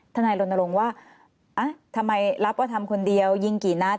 ถ้าในลงนรงค์ว่าทำไมรับวัฒน์คนเดียวยิงกี่นัด